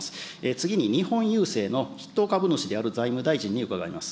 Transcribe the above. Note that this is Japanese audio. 次に日本郵政の筆頭株主である財務大臣に伺います。